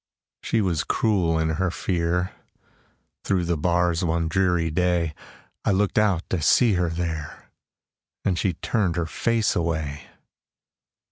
She was cruel in her fear; Through the bars one dreary day, I looked out to see her there, And she turned her face away!